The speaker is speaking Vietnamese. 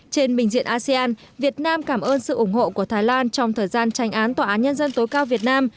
trên bình diện asean việt nam cảm ơn sự ủng hộ của thái lan trong thời gian tranh án tòa án nhân dân tối cao việt nam